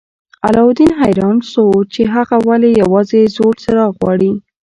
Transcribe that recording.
علاوالدین حیران شو چې هغه ولې یوازې زوړ څراغ غواړي.